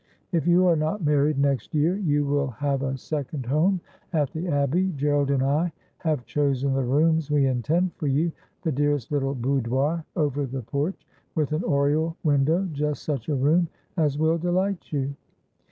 If you are not married next year you will have a second home at the Abbey. Gerald and I have chosen the rooms we intend for you ; the dearest little boudoir over the porch, with an oriel window, just such a room as will delight you.'